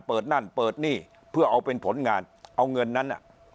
เปิดนั่นเปิดนี่เพื่อเอาเป็นผลงานเอาเงินนั้น